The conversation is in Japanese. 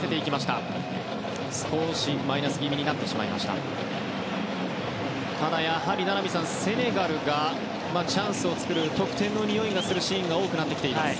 ただ、やはり名波さんセネガルがチャンスを作る得点のにおいのするシーンが多くなってきています。